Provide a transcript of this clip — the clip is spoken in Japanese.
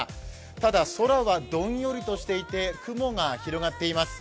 ただ空はどんよりとしていて雲が広がっています。